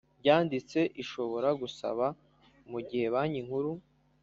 ryanditseishobora gusaba mu gihe Banki Nkuru